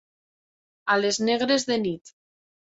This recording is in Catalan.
A les negres de nit.